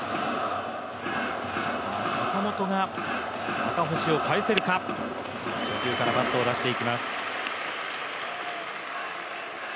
坂本が赤星を帰せるか、初球からバットを出しています。